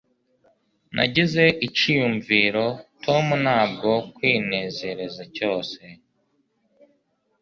nagize iciyumviro tom ntabwo kwinezereza cyose